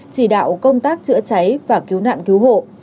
chỉ đạo công tác chữa cháy và cứu nạn cứu hộ